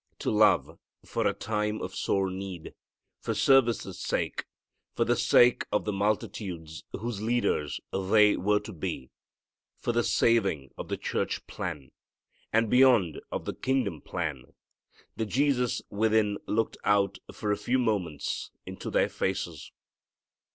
To love, for a time of sore need, for service's sake, for the sake of the multitudes whose leaders they were to be, for the saving of the church plan, and beyond of the kingdom plan, the Jesus within looked out for a few moments into their faces.